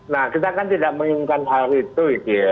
nah kita kan tidak menginginkan hal itu